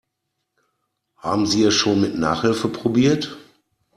Haben Sie es schon mit Nachhilfe probiert?